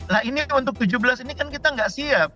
nah ini untuk tujuh belas ini kan kita nggak siap